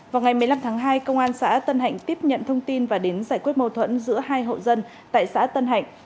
vào ngày một mươi năm tháng hai công an xã tân hạnh tiếp nhận thông tin và đến giải quyết mâu thuẫn giữa hai hộ dân tại xã tân hạnh